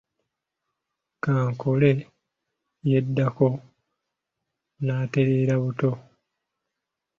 Kankole yeddako n’atereera buto.